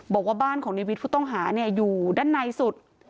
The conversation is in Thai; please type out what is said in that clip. บอกว่าบ้านของในวิทย์ผู้ต้องหาอยู่ด้านในสุด